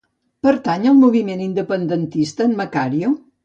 Pertany al moviment independentista el Macario?